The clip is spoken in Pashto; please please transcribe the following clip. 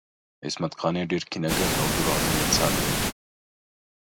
عصمت قانع ډیر کینه ګر او درواغجن انسان دی